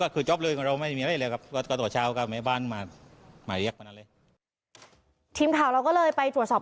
ก็ต่อเช้าก็แม่บ้านมามาเรียกมานั่นเลยทีมข่าวเราก็เลยไปตรวจสอบ